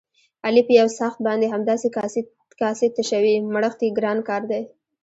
علي په یوڅآښت باندې همداسې کاسې تشوي، مړښت یې ګران کار دی.